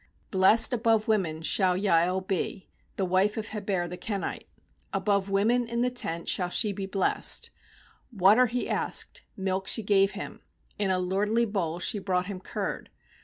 ^Blessed above women shall Jael be, The wife of Heber the Kenite, Above women in the tent shall she be blessed. 25 Water he asked, milk she gave him; In a lordly bowl she brought him curd.